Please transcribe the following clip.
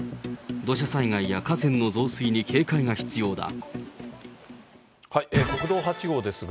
土砂災害や河川の増水に警戒が必要だ。